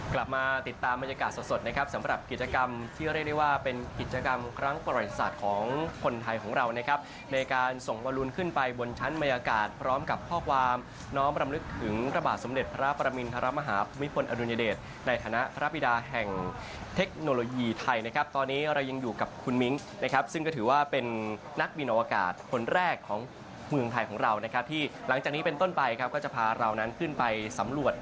กลับมาติดตามบรรยากาศสดนะครับสำหรับกิจกรรมที่เรียกได้ว่าเป็นกิจกรรมครั้งประวัติศาสตร์ของคนไทยของเรานะครับในการส่งวรุณขึ้นไปบนชั้นบรรยากาศพร้อมกับพอกวามน้องรำนึกถึงระบาดสมเด็จพระปรมินทรมาหาคมิพลอดุลยเดชในฐานะธรรพีดาแห่งเทคโนโลยีไทยนะครับตอนนี้เรายังอยู่ก